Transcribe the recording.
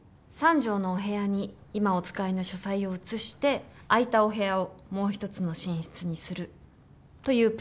３帖のお部屋に今お使いの書斎を移して空いたお部屋をもう１つの寝室にするというプランです。